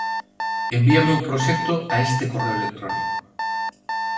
Envíame o proxecto a este correo electrónico